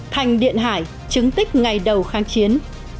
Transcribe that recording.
thành điện hải chứng tích ngày đầu kháng chiến